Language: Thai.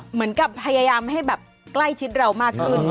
เหมือนกับพยายามให้แบบใกล้ชิดเรามากขึ้น